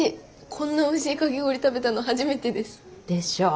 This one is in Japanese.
こんなおいしいかき氷食べたの初めてです。でしょう？